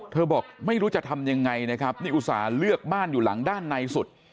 บอกไม่รู้จะทำยังไงนะครับนี่อุตส่าห์เลือกบ้านอยู่หลังด้านในสุด